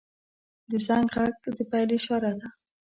• د زنګ غږ د پیل اشاره ده.